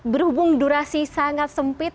berhubung durasi sangat sempit